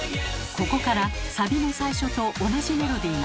ここからサビの最初と同じメロディーが繰り返されます。